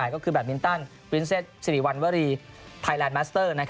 ก็คือแบบมินตันวินเซตสิริวัณวรีไทยแลนด์มัสเตอร์